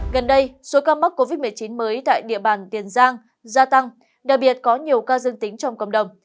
gần đây số ca mắc covid một mươi chín mới tại địa bàn tiền giang gia tăng đặc biệt có nhiều ca dương tính trong cộng đồng